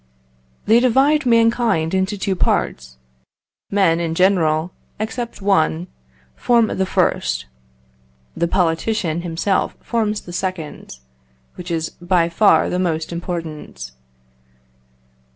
They divide mankind into two parts. Men in general, except one, form the first; the politician himself forms the second, which is by far the most important.